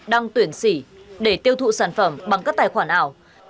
đang tuyển sỉ để tiêu thụ sản phẩm bằng các tài khoản ảo